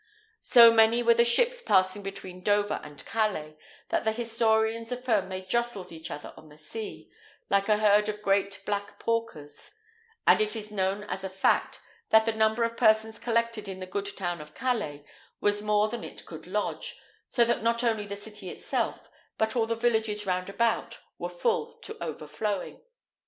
So many were the ships passing between Dover and Calais, that the historians affirm they jostled each other on the sea, like a herd of great black porkers; and it is known as a fact, that the number of persons collected in the good town of Calais was more than it could lodge; so that not only the city itself, but all the villages round about, were full to the overflowing.